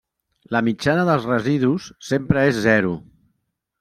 La mitjana dels residus sempre és zero.